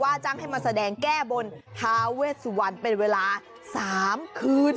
ว่าจ้างให้มาแสดงแก้บนทฤเวสวรเป็นเวลาสามคืน